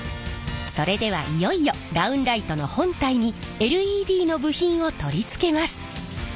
それではいよいよダウンライトの本体にＬＥＤの部品を取り付けます。